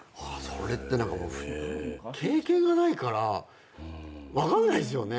それって経験がないから分かんないですよね。